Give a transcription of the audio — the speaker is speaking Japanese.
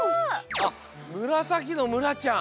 あっむらさきのムラちゃん。